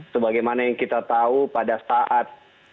sebagaimana yang kita tahu pada saat